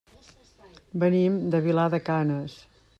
Venim de Vilar de Canes.